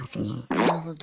なるほど。